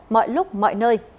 mọi lúc mọi nơi